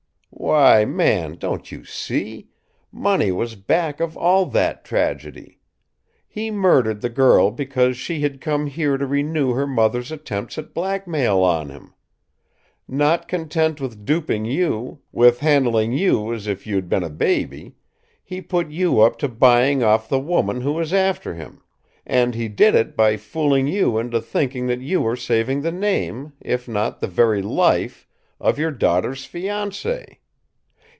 "Why, man! Don't you see? Money was back of all that tragedy. He murdered the girl because she had come here to renew her mother's attempts at blackmail on him! Not content with duping you, with handling you as if you'd been a baby, he put you up to buying off the woman who was after him and he did it by fooling you into thinking that you were saving the name, if not the very life, of your daughter's fiancé!